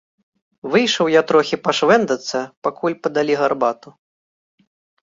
Выйшаў я трохі пашвэндацца, пакуль падалі гарбату.